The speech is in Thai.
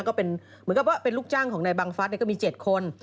เหมือนกับว่าเป็นลูกจ้างของในบังฟัสเนี่ยก็มี๗คน